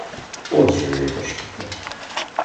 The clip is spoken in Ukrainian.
От же яка штука!